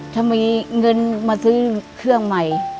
ถ้ามีเงินมาซื้อเครื่องใหม่